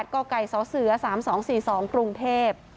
กไก่สเส๓๒๔๒กรุงเทพ